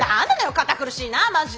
堅苦しいなぁマジで。